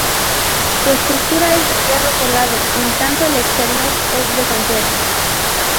Su estructura es de hierro colado, en tanto el exterior es de cantera.